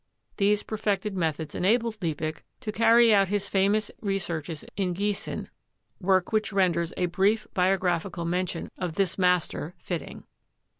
These perfected methods enabled Liebig to carry out his famous researches in Giessen, work which renders a brief biographical mention of this master fitting.